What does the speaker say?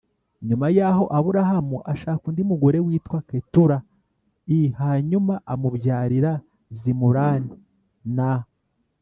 Nyuma Yaho Aburahamu Ashaka Undi Mugore Witwa Ketura I Hanyuma Amubyarira Zimurani Na